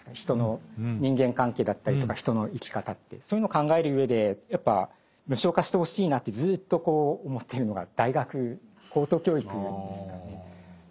人の人間関係だったりとか人の生き方ってそういうの考えるうえでやっぱ無償化してほしいなってずっと思ってるのが大学高等教育なんです。